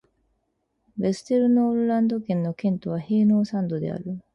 ヴェステルノールランド県の県都はヘーノーサンドである